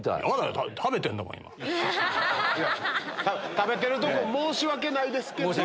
食べてるとこ申し訳ないですけど。